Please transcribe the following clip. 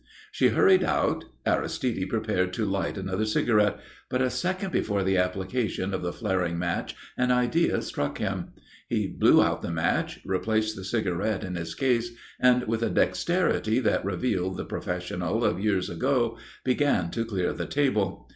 She hurried out. Aristide prepared to light another cigarette. But a second before the application of the flaring match an idea struck him. He blew out the match, replaced the cigarette in his case, and with a dexterity that revealed the professional of years ago, began to clear the table.